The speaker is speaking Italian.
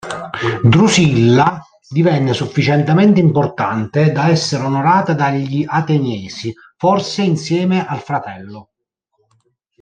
Drusilla divenne sufficientemente importante da essere onorata dagli ateniesi, forse insieme al fratello.